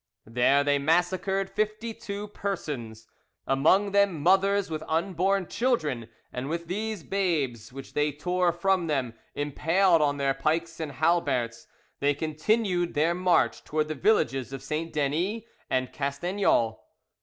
There they massacred fifty two persons, among them mothers with unborn children; and with these babes, which they tore from them, impaled on their pikes and halberts, they continued their march towards the villages of St. Denis and Castagnols.